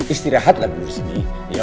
istirahatlah dulu disini